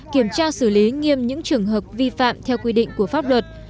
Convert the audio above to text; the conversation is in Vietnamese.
kiểm tra xử lý nghiêm những trường hợp vi phạm theo quy định của pháp luật